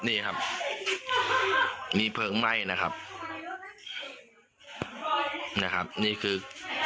นี่ครับมีเพลิงไหม้นะครับนะครับนี่คือ